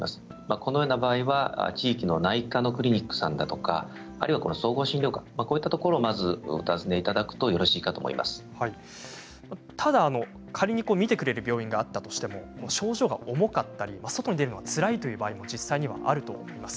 このような場合には地域の内科クリニックさんだとか総合診療科、こういったところをお訪ねいただくとただ仮に診てくれる病院があったとしても症状が重かったり外に出るのがつらいという場合が実際にはあると思います。